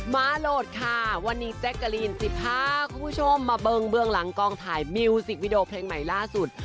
มาโหลดค่ะวันนี้แจ๊กกะลีนจะพาคุณผู้ชมมาเบิ้งเบื้องหลังกองถ่ายมิวสิกวิดีโอเพลงใหม่ล่าสุด